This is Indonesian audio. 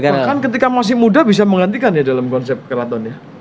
bahkan ketika masih muda bisa menggantikan ya dalam konsep keraton ya